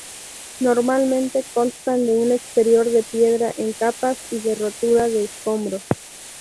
Normalmente constan de un exterior de piedra en capas y de rotura de escombros.